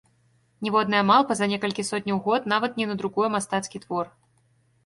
Ніводная малпа за некалькі сотняў год нават не надрукуе мастацкі твор.